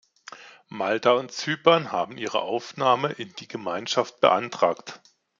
Malta und Zypern haben ihre Aufnahme in die Gemeinschaft beantragt.